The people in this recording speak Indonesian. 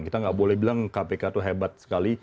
kita nggak boleh bilang kpk itu hebat sekali